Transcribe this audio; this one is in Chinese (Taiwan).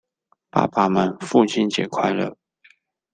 爸爸們父親節快樂！